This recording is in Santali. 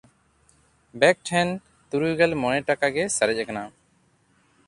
ᱵᱮᱠ ᱴᱷᱮᱱ ᱛᱩᱨᱩᱭᱜᱮᱞ ᱢᱚᱬᱮ ᱴᱟᱠᱟ ᱜᱮ ᱥᱟᱨᱮᱡ ᱠᱟᱱᱟ᱾